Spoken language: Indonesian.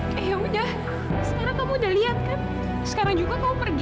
tapi juga karena kalau kamu kemandi